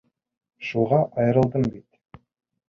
Шуға айырылдым бит.